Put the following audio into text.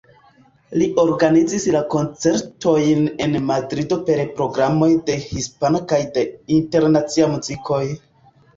Li organizis la koncertojn en Madrido per programoj de hispana kaj de internacia muzikoj.